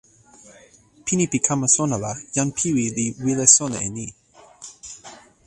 pini pi kama sona la, jan Piwi li wile sona e ni.